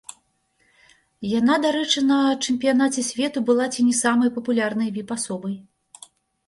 Яна, дарэчы, на чэмпіянаце свету была ці не самай папулярнай віп-асобай.